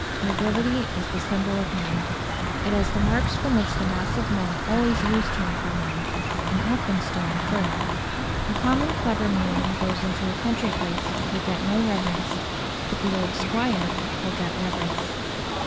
Nobility is the symbol of mind. It has the marks from which the mass of men always used to infer mind, and often still infer it. A common clever man who goes into a country place will get no reverence; but the "old squire" will get reverence.